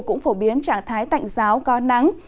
cũng phổ biến trạng thái tạnh giáo có nắng